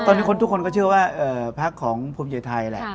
ตอนนี้คนทุกคนก็เชื่อว่าพักของภูมิใจไทยแหละ